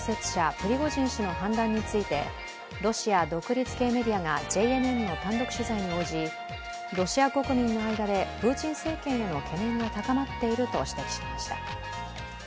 プリゴジン氏の反乱についてロシア独立系メディアがＪＮＮの単独取材に応じロシア国民の間でプーチン政権への懸念が高まっていると話しました。